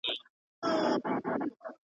یو نه سوپورته، شجاعت په کار دئ